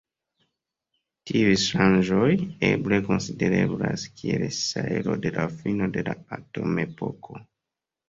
Tiuj ŝanĝoj eble konsidereblas kiel sojlo de la fino de la atomepoko.